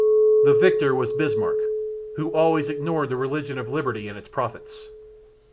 The victor was Bismarck, who always ignored the religion of liberty and its prophets.